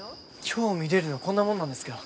今日見れるのこんなもんなんですけど。